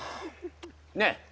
ねえ